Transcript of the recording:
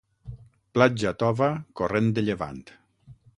Platja tova, corrent de llevant.